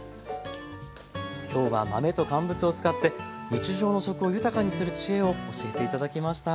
今日は豆と乾物を使って日常の食を豊かにする知恵を教えて頂きました。